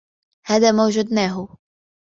هذا ما وجدناه.